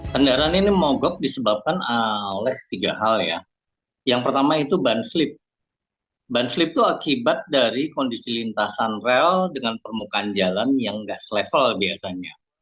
kendaraan ini mogok disebabkan oleh tiga hal ya yang pertama itu ban slip ban slip itu akibat dari kondisi lintasan rel dengan permukaan jalan yang nggak selevel biasanya